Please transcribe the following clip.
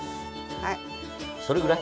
はいそれぐらい。